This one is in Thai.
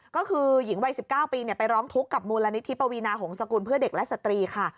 ก็คือหญิงวัย๑๙ปีไปร้องทุกข์กับมูลนิธิปวีนาหงษกุลเพื่อเด็กและสตรีค่ะ